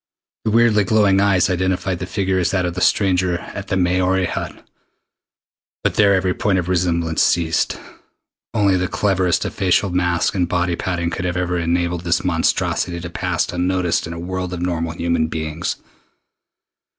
The weirdly glowing eyes identified the figure as that of the stranger at the Maori Hut, but there every point of resemblance ceased. Only the cleverest of facial masques and body padding could ever have enabled this monstrosity to pass unnoticed in a world of normal human beings.